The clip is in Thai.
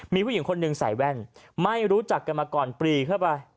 มีผู้หญิงคนหนึ่งใส่แว่นไม่รู้จักกันมาก่อนปรีเข้าไป